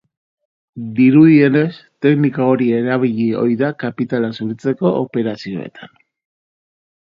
Dirudienez, teknika hori erabili ohi da kapitalak zuritzeko operazioetan.